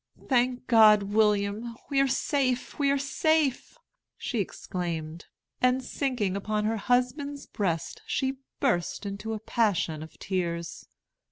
"Thank God, William, we are safe, we are safe!" she exclaimed; and sinking upon her husband's breast, she burst into a passion of tears.